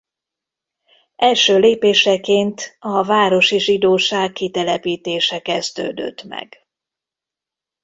Első lépéseként a városi zsidóság kitelepítése kezdődött meg.